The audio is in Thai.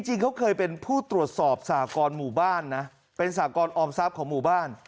จริงเขาเคยเป็นผู้ตรวจสอบสากรหมู่บ้านนะเป็นสากรออมทรัพย์ของหมู่บ้าน